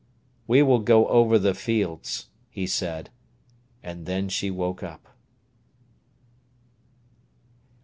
"We will go over the fields," he said; and then she woke up.